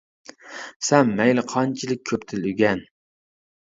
سەن مەيلى قانچىلىك كۆپ تىل ئۆگەن.